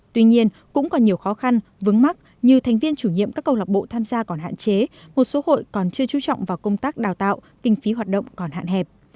tuy nhiên cũng còn nhiều khó khăn vướng mắt như thành viên chủ nhiệm các câu lạc bộ tham gia còn hạn chế một số hội còn chưa chú trọng vào công tác đào tạo kinh phí hoạt động còn hạn hẹp